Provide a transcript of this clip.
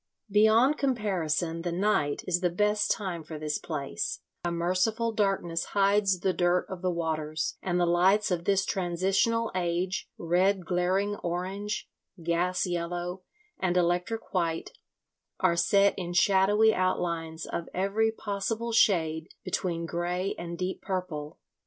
Beyond comparison the night is the best time for this place; a merciful darkness hides the dirt of the waters, and the lights of this transitional age, red glaring orange, gas yellow, and electric white, are set in shadowy outlines of every possible shade between grey and deep purple.